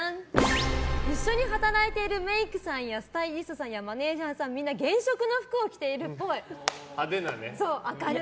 一緒に働いているメイクさんやスタイリストさんやマネジャーさんがみんな原色の服を着ているっぽい。